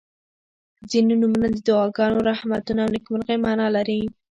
• ځینې نومونه د دعاګانو، رحمتونو او نیکمرغۍ معنا لري.